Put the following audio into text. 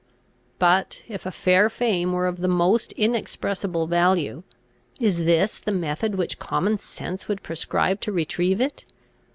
But, if a fair fame were of the most inexpressible value, is this the method which common sense would prescribe to retrieve it?